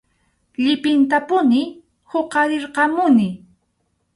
Llipintapuni huqarirqamuni.